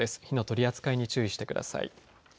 火の取り扱いに注意してください。